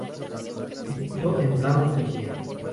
Se crio en Ramos Mejía.